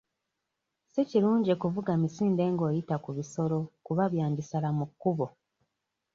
Si kirungi kuvuga misinde ng'oyita ku bisolo kuba byandisala mu kkubo.